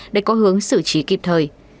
để có hướng xử trí kịp thời